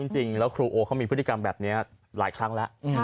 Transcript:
จริงแล้วครูโอเขามีพฤติกรรมแบบนี้หลายครั้งแล้ว